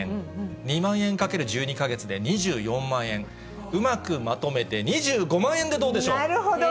２万円かける１２か月で２４万円、うまくまとめて、２５万円でどうなるほど。